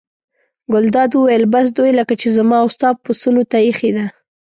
ګلداد وویل: بس دوی لکه چې زما او ستا پسونو ته اېښې ده.